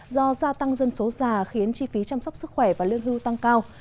do gia tăng dân số già khiến chi phí chăm sóc sức khỏe và lương hưu tăng cao